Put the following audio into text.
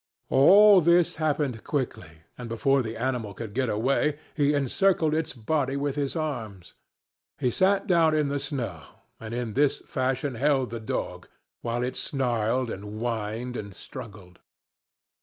All this happened quickly, and before the animal could get away, he encircled its body with his arms. He sat down in the snow, and in this fashion held the dog, while it snarled and whined and struggled.